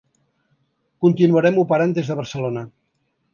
Continuarem operant des de Barcelona.